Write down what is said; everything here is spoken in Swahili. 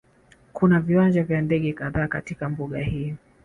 Kuna viwanja vya ndege kadhaa katika mbuga hii